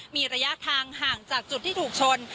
มีระยะทางห่างจากจุดที่ถูกชน